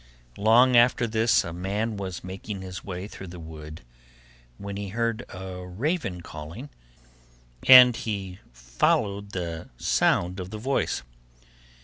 Long after this, a man was making his way through the wood when he heard a raven calling, and he followed the sound of the voice.